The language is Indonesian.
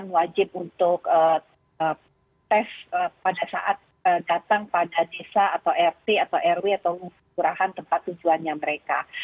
wajib untuk tes pada saat datang pada desa atau rt atau rw atau kelurahan tempat tujuannya mereka